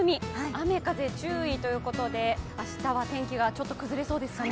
雨風注意ということで明日は天気がちょっと崩れそうですかね。